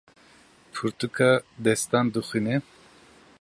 Pirtûka destan dixwîne.